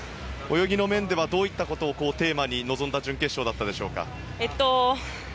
泳ぎの面ではどういったことをテーマに臨んだ準決勝だったでしょうか。